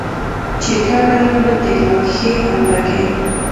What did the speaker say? چې دا ډله به د لا ښې همغږۍ،